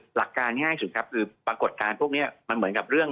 หลักการง่ายสุดครับคือปรากฏการณ์พวกนี้มันเหมือนกับเรื่อง